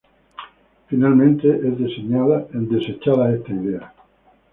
Finalmente es desechada esta idea.